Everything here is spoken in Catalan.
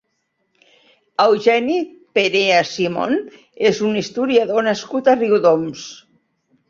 Eugeni Perea Simón és un historiador nascut a Riudoms.